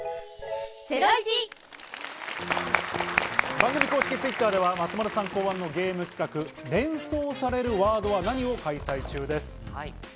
番組公式Ｔｗｉｔｔｅｒでは松丸さん考案のゲーム企画「連想されるワードは何！？」を開催中です。